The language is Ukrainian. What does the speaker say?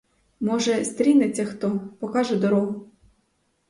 Може, стрінеться хто, покаже дорогу.